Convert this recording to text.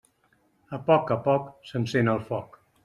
A poc a poc s'encén el foc.